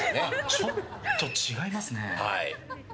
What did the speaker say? ちょっと違いますね。